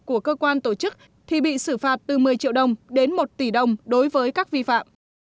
của cơ quan tổ chức thì bị xử phạt từ một mươi triệu đồng đến một tỷ đồng đối với các vi phạm